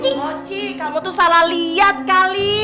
aduh moci kamu tuh salah liat kali